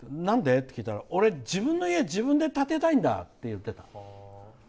なんで？ってきいたら俺、自分の家自分で建てたいんだって言ってた。